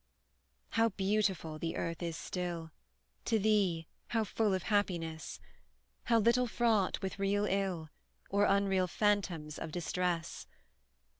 How beautiful the earth is still, To thee how full of happiness? How little fraught with real ill, Or unreal phantoms of distress!